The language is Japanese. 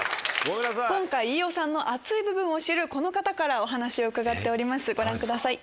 今回飯尾さんの熱い部分を知るこの方からお話を伺っておりますご覧ください。